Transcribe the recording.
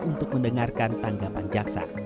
untuk mendengarkan tanggapan jaksa